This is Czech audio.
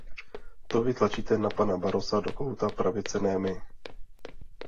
To vy tlačíte pana Barrosa do kouta pravice, ne my!